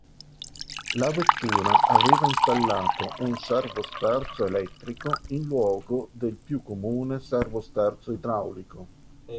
La vettura aveva installato un servosterzo elettrico in luogo del più comune servosterzo idraulico.